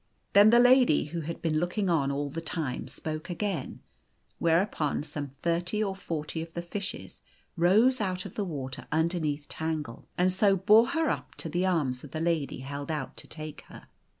Then the lady, who had been looking on all the time, spoke again ; whereupon some thirty or forty of the fishes rose out of the water underneath Tangle, and so bore her up to the arms the lady held out to take her.